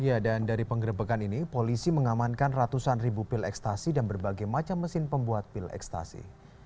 ya dan dari penggerbekan ini polisi mengamankan ratusan ribu pil ekstasi dan berbagai macam mesin pembuat pil ekstasi